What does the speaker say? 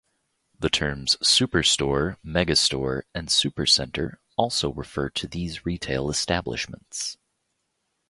The terms superstore, megastore, and supercenter also refer to these retail establishments.